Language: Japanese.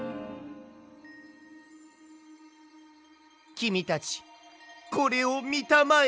きみたちこれをみたまえ。